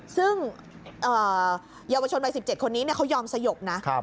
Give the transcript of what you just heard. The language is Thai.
ซึ่งเยาวชนวัย๑๗คนนี้เขายอมสยบนะ